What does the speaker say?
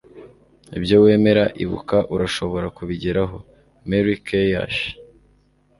Ibyo wemera, ibuka, urashobora kubigeraho. ” —Mary Kay Ash